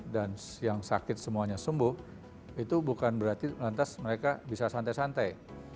dan yang sakit semuanya sembuh itu bukan berarti lantas mereka bisa santai santai